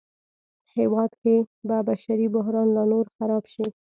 هېواد کې به بشري بحران لا نور خراب شي